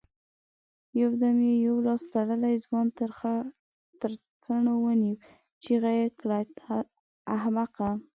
يودم يې يو لاس تړلی ځوان تر څڼو ونيو، چيغه يې کړه! احمقه!